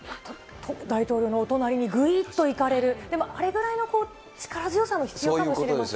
大統領のお隣にぐいーっといかれる、でもあれぐらいの力強さも必要かもしれませんね。